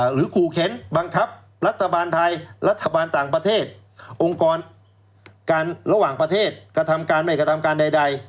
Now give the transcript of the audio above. ขู่เข็นบังคับรัฐบาลไทยรัฐบาลต่างประเทศองค์กรการระหว่างประเทศกระทำการไม่กระทำการใด